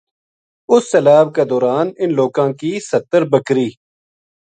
اُس سیلاب کے دوران اِن لوکا ں کی ستر بکری